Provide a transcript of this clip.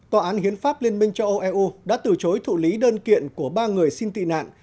tòa án hiến pháp liên minh châu âu eu đã từ chối thụ lý đơn kiện của ba người xin tị nạn